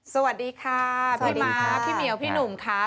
สวัสดีค่ะพี่ม้าพี่เหมียวพี่หนุ่มค่ะ